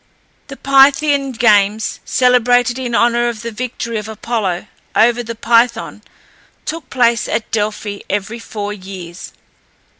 The Pythian games, celebrated in honour of the victory of Apollo over the Python, took place at Delphi every four years.